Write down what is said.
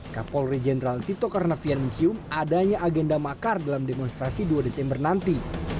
kapolri jenderal tito karnavian mencium adanya agenda makar dalam demonstrasi dua desember nanti